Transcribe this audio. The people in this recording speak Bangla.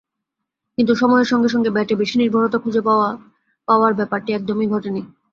কিন্তু সময়ের সঙ্গে সঙ্গে ব্যাটে বেশি নির্ভরতা খুঁজে পাওয়ার ব্যাপারটি একদমই ঘটেনি।